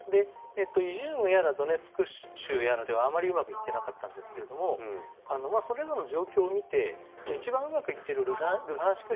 イジュームやらドネツク州やらではあまりうまくいっていなかったんですがそれらの状況を見て一番うまくいっているルハンシク